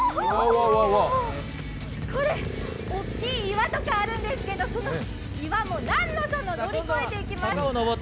これ大きい岩とかあるんですけど、その岩も何のその乗り越えていきます。